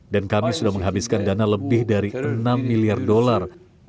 dan kami sudah menghabiskan dana lebih dari enam miliar dolar